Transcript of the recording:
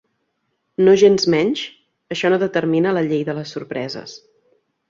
Nogensmenys, això no determina la llei de les sorpreses.